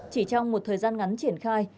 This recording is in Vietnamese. chỉ trong một thời gian ngắn triển khai